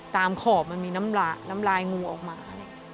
ขอบมันมีน้ำลายงูออกมา